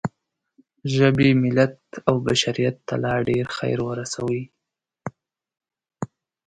ژبې، ملت او بشریت ته لا ډېر خیر ورسوئ.